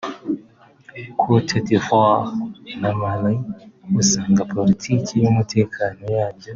Côte d’Ivoire na Mali usanga politiki y’umutekano yabyo